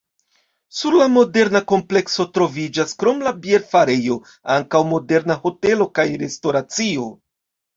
Sur la moderna komplekso troviĝas krom la bierfarejo ankaŭ moderna hotelo kaj restoracio.